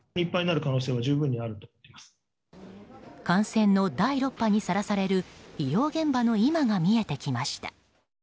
感染の第６波にさらされる医療現場の今が見えてきました。